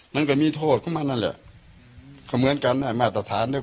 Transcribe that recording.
มันก็มีโทษก็มันนั่นแหละเหมือนกันแหละมาตรฐานด้วยกันนั่นแหละ